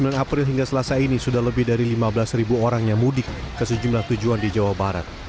sembilan april hingga selasa ini sudah lebih dari lima belas ribu orang yang mudik ke sejumlah tujuan di jawa barat